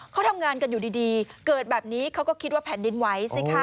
เขาทำงานกันอยู่ดีเกิดแบบนี้เขาก็คิดว่าแผ่นดินไหวสิคะ